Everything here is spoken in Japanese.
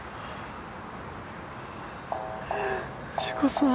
藤子さん。